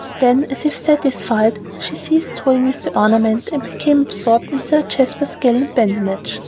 Then, as if satisfied, she ceased toying with the ornament and became absorbed in Sir Jasper's gallant badinage.